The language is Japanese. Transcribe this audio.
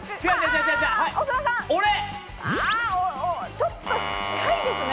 ちょっと近いですね。